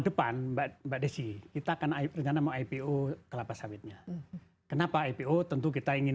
depan mbak desi kita akan rencana mau ipo kelapa sawitnya kenapa ipo tentu kita ingin